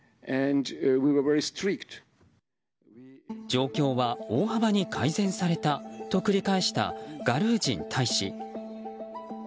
状況は大幅に改善されたと繰り返したガルージン大使。